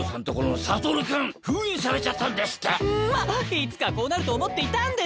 いつかこうなると思っていたんですよ。